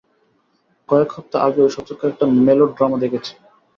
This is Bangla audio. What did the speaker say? কয়েক হপ্তা আগেও স্বচক্ষে একটা মেলোড্রামা দেখেছি।